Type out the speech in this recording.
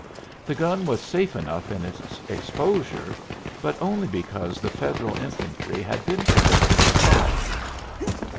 The gun was safe enough in its exposure but only because the Federal infantry had been forbidden to fire.